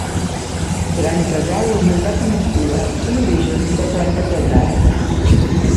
Gran casal orientat a migdia, en origen de planta quadrada.